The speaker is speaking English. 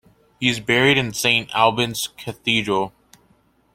He is buried in Saint Albans Cathedral.